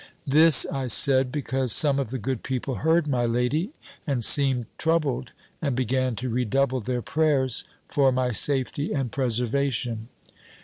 This I said, because some of the good people heard my lady, and seemed troubled, and began to redouble their prayers, for my safety and preservation.